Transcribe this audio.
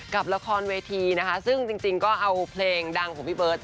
กับละครเวทีนะคะซึ่งจริงก็เอาเพลงดังของพี่เบิร์ต